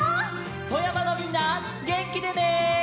富山のみんなげんきでね！